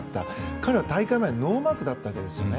彼は大会前はノーマークだったわけですよね。